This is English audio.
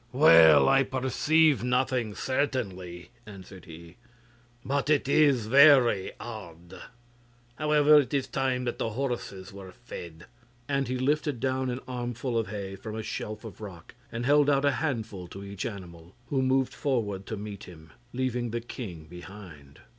'Well, I perceive nothing, certainly,' answered he, 'but it is very odd. However, it is time that the horses were fed;' and he lifted down an armful of hay from a shelf of rock and held out a handful to each animal, who moved forward to meet him, leaving the king behind.